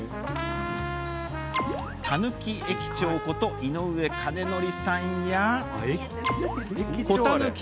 たぬき駅長こと井上金徳さんや子たぬき